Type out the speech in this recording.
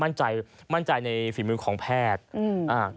มั่นใจในฝีมือของแพทย์